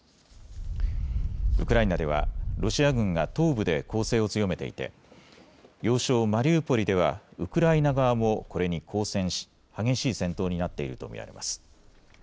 ウクライナではロシア軍が東部で攻勢を強めていて要衝マリウポリではウクライナ側もこれに抗戦し激しい戦闘になっていると見られます。